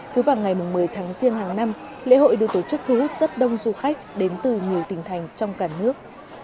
cứ vào ngày một mươi tháng riêng hàng năm lễ hội được tổ chức thu hút rất đông du khách đến từ nhiều tỉnh thành trong cả nước